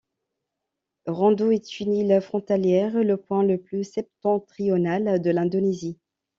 Rondo est une île frontalière est le point le plus septentrional de l'Indonésie.